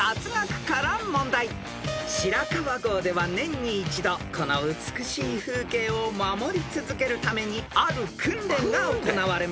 ［白川郷では年に一度この美しい風景を守り続けるためにある訓練が行われます］